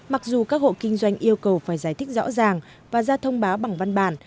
mặc dù các hộ kinh doanh yêu cầu phải giải thích rõ ràng và ra thông báo bằng văn bản